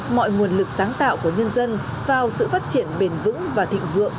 mọi nguồn lực sáng tạo của nhân dân vào sự phát triển bền vững và thịnh vượng